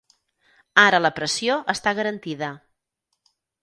Ara la pressió està garantida.